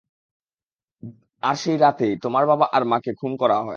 আর সেই রাতেই, তোমার বাবা আর মাকে খুন করা হয়।